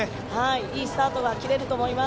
いいスタートが切れると思います。